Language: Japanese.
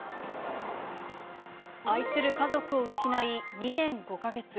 愛する家族を失い、２年５か月。